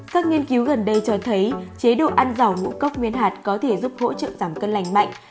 các nghiên cứu gần đây cho thấy chế độ ăn giàu ngũ cốc nguyên hạt có thể giúp hỗ trợ giảm cân lành mạnh